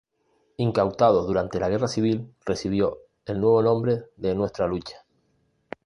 Incautado durante la Guerra Civil, recibió el nuevo nombre de Nuestra Lucha.